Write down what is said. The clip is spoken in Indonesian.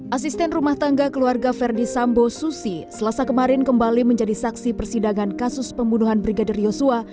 asisten rumah tangga keluarga ferdi sambo susi selasa kemarin kembali menjadi saksi persidangan kasus pembunuhan brigadir yosua